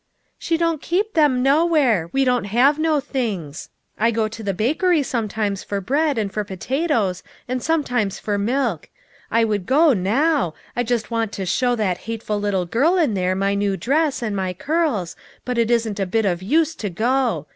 "She don't keep them nowhere. We don't have no things. I go to the bakery sometimes for bread, and for potatoes, and sometimes for 48 LITTLE FISHEKS : AXD THEIK NETS. milk. I would go now ; I just want to show that hateful little girl in there my new dress, and my curls, but it isn't a bit of use to go.